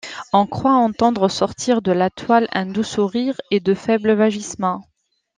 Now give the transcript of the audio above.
On croit entendre sortir de la toile un doux sourire et de faibles vagissements.